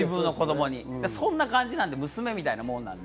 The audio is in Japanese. そんな感じなので、娘みたいなものなので。